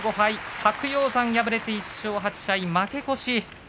白鷹山敗れて１勝８敗負け越し。